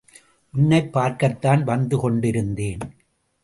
உன்னைப் பார்க்கத்தான் வந்து கொண்டிருந்தேன்.